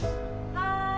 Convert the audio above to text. ・はい。